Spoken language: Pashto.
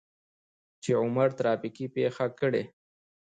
چې عمر ترافيکي پېښه کړى.